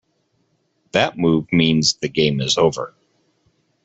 That move means the game is over.